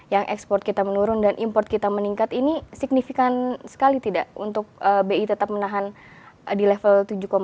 yang ekspor kita menurun dan import kita meningkat ini signifikan sekali tidak untuk bi tetap menahan di level tujuh empat